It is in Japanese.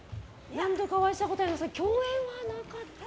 何度かお会いしたことはあるんですけど共演はなかった。